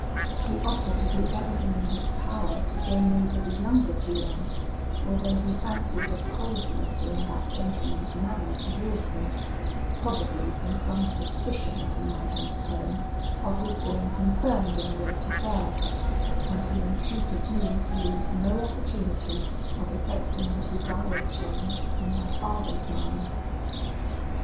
He offered to do everything in his power to gain over the younger G M , although he fancied a coldness in that gentleman's manner towards him, probably from some suspicions he might entertain of his being concerned in the late affair; and he entreated me to lose no opportunity of effecting the desired change in my father's mind.